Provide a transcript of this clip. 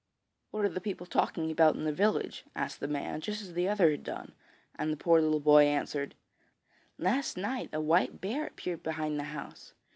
'What are the people talking about in the village?' asked the man, just as the other had done, and the poor little boy answered: 'Last night a white bear appeared behind the house.